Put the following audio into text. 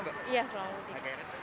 iya pulang mudik